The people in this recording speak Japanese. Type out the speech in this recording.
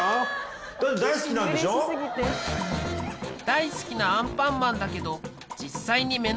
大好きなアンパンマンだけどほら！